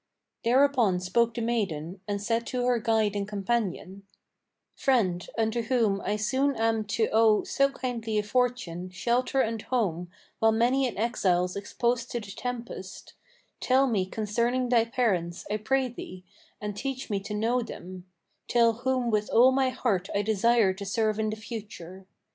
Thereupon spoke the maiden, and said to her guide and companion: "Friend, unto whom I soon am to owe so kindly a fortune, Shelter and home, while many an exile's exposed to the tempest, Tell me concerning thy parents, I pray thee, and teach me to know them, Them whom with all my heart I desire to serve in the future.